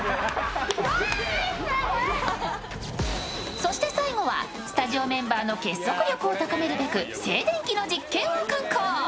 そして最後はスタジオメンバーの結束力を高めるべく静電気の実験を敢行。